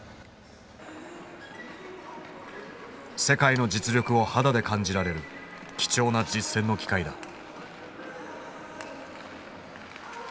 世界の実力を肌で感じられる貴重な実戦の機会だ。